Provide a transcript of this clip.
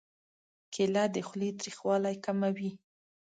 کېله د خولې تریخوالی کموي.